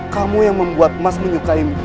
kamu yang membuat mas menyukaimu